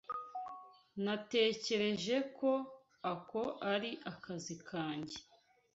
Natekereje ko ako ari akazi kanjye.